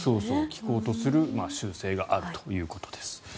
聞こうとする習性があるということです。